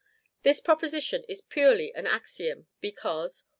This proposition is purely an axiom, because, 1.